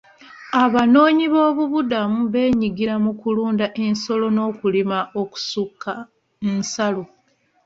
Abanoonyi b'obubudamu beenyigira mu kulunda ensolo n'okulima okusukka nsalo.